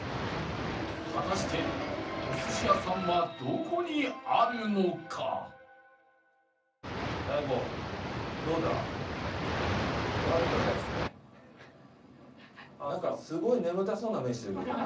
果たしてお寿司屋さんはどこにあるのか？なんかすごい眠たそうな目してるけど。